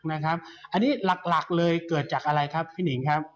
อันนี้หลักเลยเกิดจากอะไรครับพี่หนิงครับ